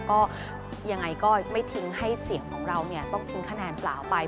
ก็ยังไงก็ไม่ทิ้งให้เสียงของเราเนี่ยต้องทิ้งคะแนนเปล่าไป